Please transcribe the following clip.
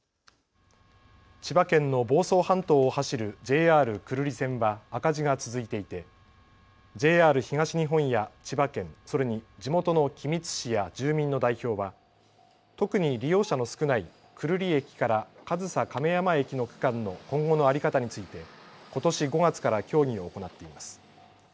千葉県の房総半島を走るＪＲ久留里線は赤字が続いていてＪＲ東日本や千葉県、それに地元の君津市や住民の代表は特に利用者の少ない久留里駅から上総亀山駅の区間の今後の在り方についてことし５月から協議を行っています。